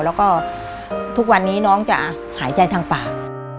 แล้วก็ทุกวันนี้น้องจะหายใจทางปาก